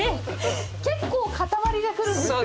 結構塊で来るんですね。